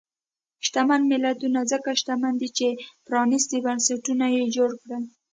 شتمن ملتونه ځکه شتمن دي چې پرانیستي بنسټونه یې جوړ کړل.